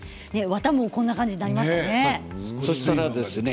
わたもこんなふうになりましたね。